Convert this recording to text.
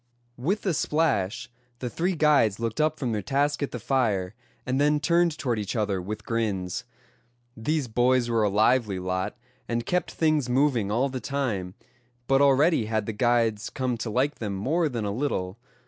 With the splash the three guides looked up from their task at the fire, and then turned toward each other with grins. These boys were a lively lot, and kept things moving all the time; but already had the guides come to like them more than a little.